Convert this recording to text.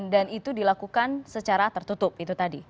dan itu dilakukan secara tertutup itu tadi